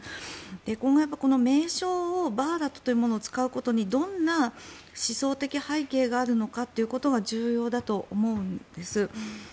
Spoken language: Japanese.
今後、名称をバーラトというものを使うことにどんな思想的背景があるのかということが重要だと思うんです。